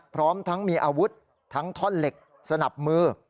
พร้อมทั้งมีอาวุธทั้งท่อนเหล็กสนับมือ